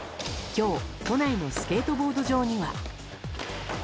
今日都内のスケートボード場には。